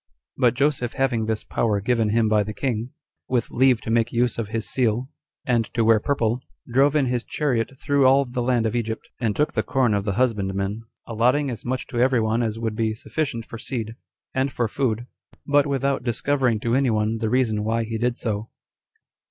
But Joseph having this power given him by the king, with leave to make use of his seal, and to wear purple, drove in his chariot through all the land of Egypt, and took the corn of the husbandmen, 3 allotting as much to every one as would be sufficient for seed, and for food, but without discovering to any one the reason why he did so.